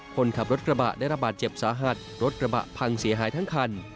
คนขับรถกระบะได้ระบาดเจ็บสาหัสรถกระบะพังเสียหายทั้งคัน